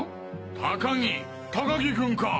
高木高木君か！